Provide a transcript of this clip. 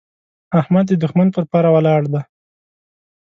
احمد د دوښمن پر پره ولاړ دی.